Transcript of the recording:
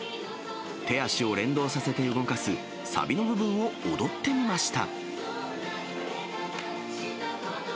手足を連動させて動かす、サビの部分を踊ってみました。